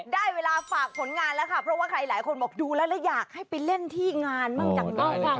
ได้เวลาฝากผลงานแล้วค่ะ